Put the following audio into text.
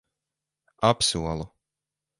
Apsolu.